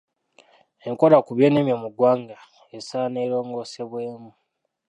Enkola ku by’ennimi mu ggwanga esaana erongoosebwemu.